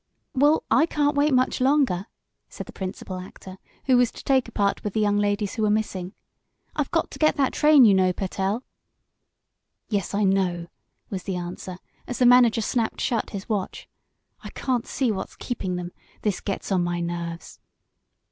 "Well, I can't wait much longer," said the principal actor, who was to take a part with the young ladies who were missing. "I've got to get that train, you know, Pertell." "Yes, I know!" was the answer, as the manager snapped shut his watch. "I can't see what's keeping them. This gets on my nerves!"